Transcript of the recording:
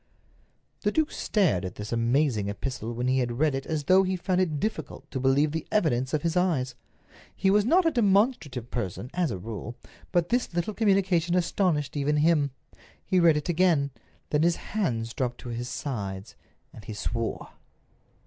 The duke stared at this amazing epistle when he had read it as though he found it difficult to believe the evidence of his eyes. He was not a demonstrative person, as a rule, but this little communication astonished even him. He read it again. Then his hands dropped to his sides, and he swore.